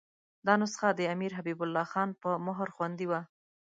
دا نسخه د امیر حبیب الله خان په مهر خوندي وه.